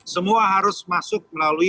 semua harus masuk melalui